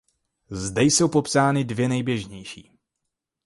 Zde jsou popsány dvě nejběžnější.